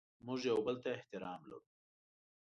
موږ یو بل ته احترام لرو.